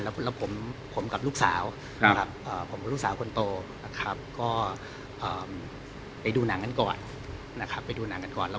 แล้วผมกับลูกสาวคนโตไปดูหนังกันก่อน